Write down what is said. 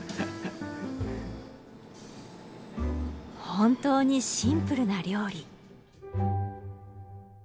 本当にシンプルな料理。